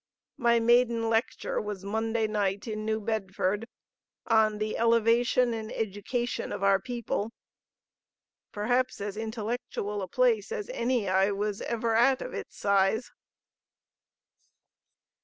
My maiden lecture was Monday night in New Bedford on the Elevation and Education of our People. Perhaps as intellectual a place as any I was ever at of its size."